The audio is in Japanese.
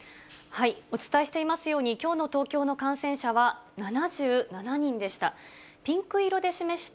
お伝えしていますように、きょうの東京の感染者は７７人でした。